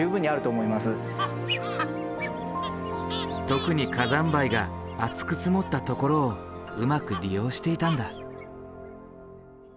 特に火山灰が厚く積もったところをうまく利用していたんだ。